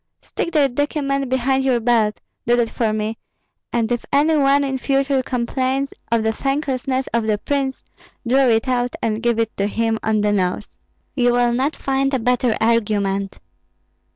"Stick that document behind your belt, do that for me, and if any one in future complains of the thanklessness of the prince, draw it out and give it to him on the nose. You will not find a better argument."